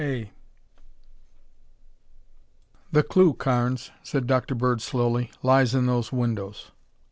] "The clue, Carnes," said Dr. Bird slowly, "lies in those windows."